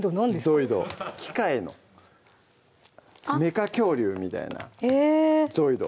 機械のメカ恐竜みたいな「ゾイド」